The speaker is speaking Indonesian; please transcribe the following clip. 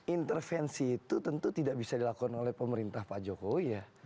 intervensi itu tentu tidak bisa dilakukan oleh pemerintah pak jokowi ya